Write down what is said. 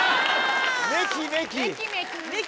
めきめき。